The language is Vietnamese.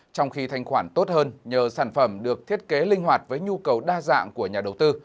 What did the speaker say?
trong khi thanh khoản tốt hơn nhờ sản phẩm được thiết kế linh hoạt với nhu cầu đa dạng của nhà đầu tư